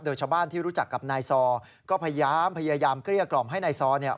เจ้าชาวบ้านที่รู้จักกับนายซอร์ก็พยายามเกลี้ยกล่อมให้นายซอร์เนี่ย